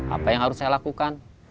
apa yang harus saya lakukan